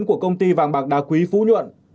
của công ty vàng bạc đa quý phú nhuận